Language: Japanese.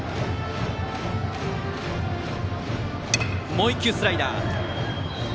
もう１球スライダー。